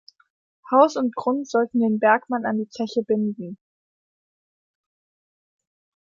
Haus und Grund sollten den Bergmann an die Zeche binden.